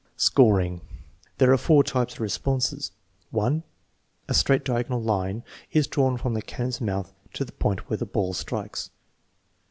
Scoring. There are four types of response: (1) A straight diagonal line is drawn from the cannon's mouth to the point where the ball strikes.